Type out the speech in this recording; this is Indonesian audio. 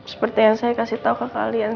seperti yang saya kasih tahu ke kalian